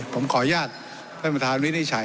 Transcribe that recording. ผมขออนุญาตท่านประธานวินิจฉัย